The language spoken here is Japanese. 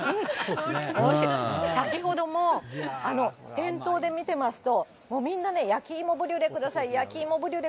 先ほども、店頭で見てますと、もうみんなね、焼き芋ブリュレください、焼き芋ブリュレ